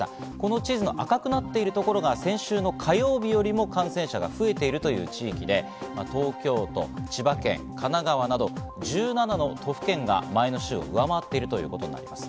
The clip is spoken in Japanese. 地図の赤くなっているところが先週の火曜日よりも感染者が増えているという地域で東京都、千葉県、神奈川など１７の都府県が前の週を上回っているということです。